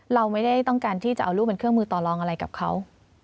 เราไม่ได้ต้องการที่จะเอาลูกเป็นเครื่องมือต่อลองอะไรกับเขา